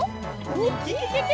ウキキキ！